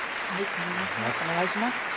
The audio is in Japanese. よろしくお願いします。